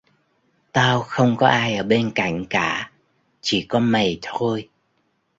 tao không có ai ở bên cạnh cả chỉ có mày thôi